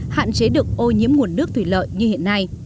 hạn chế được ô nhiễm nguồn nước thủy lợi như hiện nay